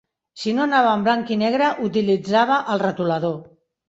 Si no anava en blanc i negre, utilitzava el retolador.